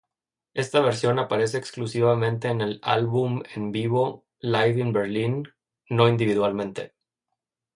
Esta versión aparece exclusivamente en el álbum en vivo "Live in Berlin", no individualmente.